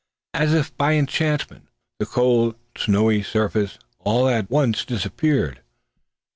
As if by enchantment, the cold snowy surface all at once disappeared.